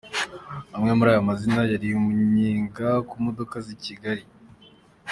Amwe muri aya mazina yariye umunyenga ku modoka z’i Kigali.